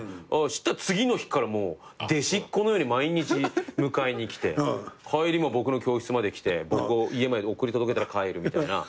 そしたら次の日から弟子っ子のように毎日迎えに来て帰りも僕の教室まで来て僕を家まで送り届けたら帰るみたいな。